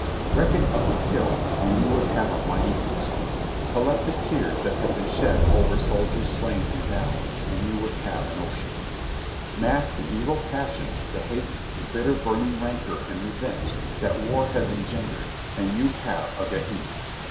Reckon up the killed, and you would have a mighty host. Col THE SECOND MANASSAS 255 lect the tears that have been shed over soldiers slain in battle, and you would have an ocean. ^lass the evil passions, tlie hate, the bitter, burning rancor and revenge that war has engendered, and you have a Gehenna.